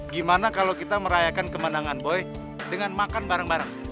gimana kalau kita merayakan kemenangan boy dengan makan bareng bareng